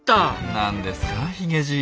何ですかヒゲじい。